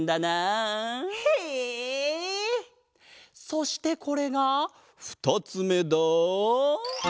そしてこれがふたつめだ！